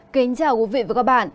kính chào quý vị và các bạn